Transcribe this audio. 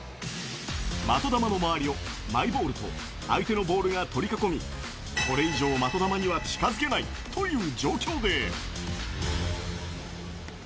的球の周りをマイボールと相手のボールが取り囲み、これ以上、的球には近づけないという状況で。